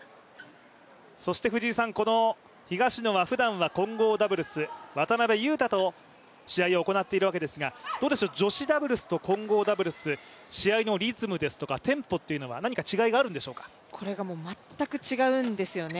そしてこの東野は普段は混合ダブルス、渡辺勇大と試合を行っているわけですがどうでしょう女子ダブルスと混合ダブルス試合のリズムですとかテンポというのはこれが全く違うんですよね。